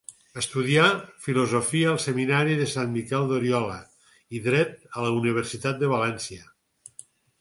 Estudià filosofia al Seminari de Sant Miquel d'Oriola i dret a la Universitat de València.